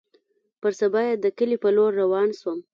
پر سبا يې د کلي په لور روان سوم.